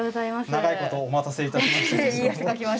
長いことお待たせいたしました。